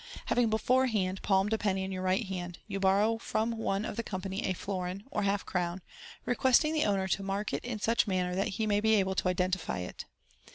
Having beforehand palmed a penny in your right hand, you borrow from one of the company a florin (or half crown), requesting the owner to mark it in such manner that he may be able to identify it.